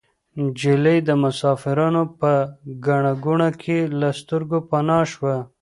نجلۍ د مسافرانو په ګڼه ګوڼه کې له سترګو پناه شوه.